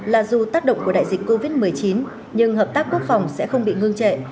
là dù tác động của đại dịch covid một mươi chín nhưng hợp tác quốc phòng sẽ không bị ngưng trệ